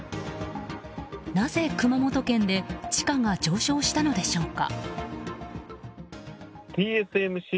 なぜ熊本県で地価が上昇したのでしょうか。